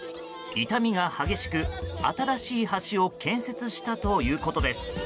傷みが激しく、新しい橋を建設したということです。